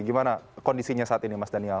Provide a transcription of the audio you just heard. gimana kondisinya saat ini mas daniel